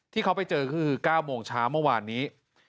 ที่เขาไปเจอคือ๙โมงเช้าเมื่อวานนี้